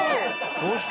どうした？